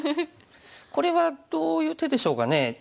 これはどういう手でしょうかね。